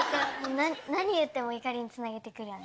何言っても怒りにつなげてくるよね。